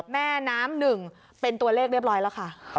แม่น้ำหนึ่งเป็นตัวเลขเรียบร้อยแล้วค่ะ